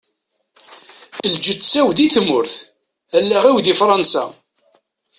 Lǧetta-w di tmurt, allaɣ-iw di Fransa.